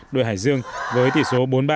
đội hải dương với tỷ số bốn mươi ba